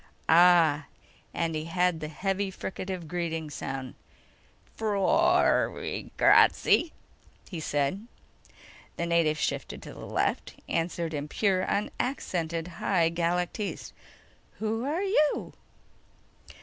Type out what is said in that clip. Ah ..._ And he had the heavy fricative greeting sound. "Ffroiragrazzi," he said. The native shifted to the left, answered in pure, unaccented High Galactese: "Who are you?"